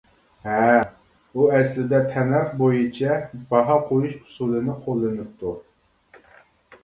ھە، ئۇ ئەسلىدە تەننەرخ بويىچە باھا قويۇش ئۇسۇلىنى قوللىنىپتۇ.